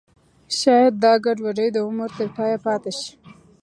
ښایي دا ګډوډي د عمر تر پایه پاتې شي.